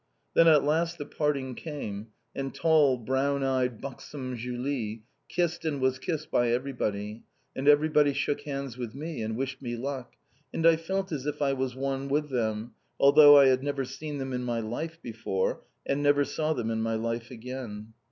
Then at last the parting came, and tall, brown eyed, buxom Julie kissed and was kissed by everybody, and everybody shook hands with me, and wished me luck, and I felt as if I was one with them, although I had never seen them in my life before, and never saw them in my life again.